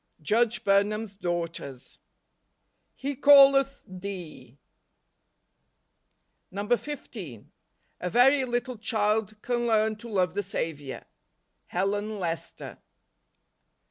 Judge Burnham's Daughters. " He calleth thee." NOVEMBER. 129 15. A very little child can learn to love the Saviour. Helen Lester.